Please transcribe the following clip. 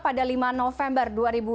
pada lima november dua ribu dua puluh